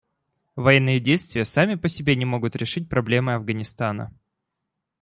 Военные действия сами по себе не могут решить проблемы Афганистана.